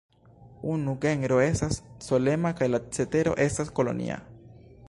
Unu genro estas solema kaj la cetero estas kolonia.